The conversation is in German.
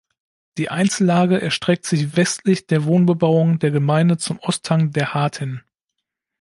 Die Einzellage erstreckt sich westlich der Wohnbebauung der Gemeinde zum Osthang der Haardt hin.